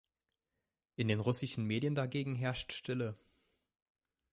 In den russischen Medien dagegen herrscht Stille.